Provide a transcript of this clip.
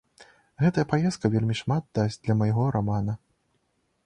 Гэтая паездка вельмі шмат дасць для майго рамана.